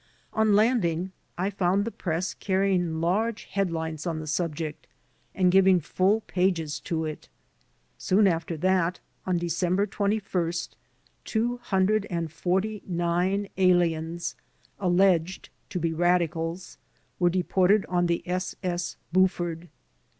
On landing I found the press carrying large headlines on the subject and giving full pages to it. Soon after that, on December 21, 249 aliens, alleged to be radicals, were deported on the S. S. "Buford."